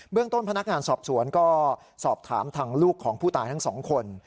ต้นพนักงานสอบสวนก็สอบถามทางลูกของผู้ตายทั้งสองคน